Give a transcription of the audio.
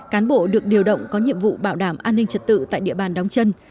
cán bộ được điều động có nhiệm vụ bảo đảm an ninh trật tự tại địa bàn đóng chân